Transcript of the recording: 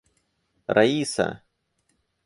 Раиса